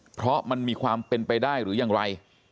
เพราะมันมีความเป็นไปได้หรือยังไร